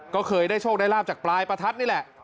ก็เคยได้โชคได้ลาบจากปลายประทัดนี่แหละ